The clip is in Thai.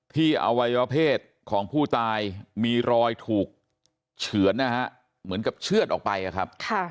อวัยวะเพศของผู้ตายมีรอยถูกเฉือนนะฮะเหมือนกับเชื่อดออกไปครับ